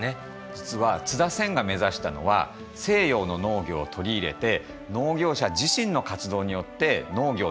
実は津田仙が目指したのは西洋の農業を取り入れて農業者自身の活動によって農業の近代化を実現することだった。